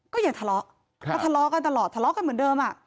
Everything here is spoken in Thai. ก็อย่าทะเลาะก็ทะเลาะกันตลอดทะเลาะกันเหมือนเดิม